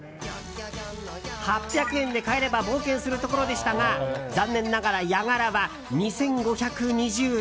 ８００円で買えれば冒険するところでしたが残念ながらヤガラは２５２０円。